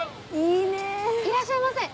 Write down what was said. いらっしゃいませ！